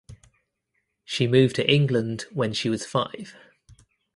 She moved to England when she was five.